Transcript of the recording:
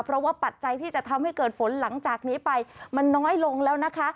เพราะว่าปัจจัยที่จะทำให้เกิดฝนหลังจากนี้ไปมันน้อยลงแล้วนะคะ